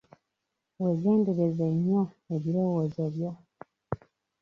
Weegendereze nnyo ebirowoozo byo.